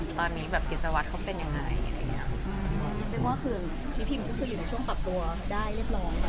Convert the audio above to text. ว่าตอนนี้กิจวัตรเขาเป็นยังไง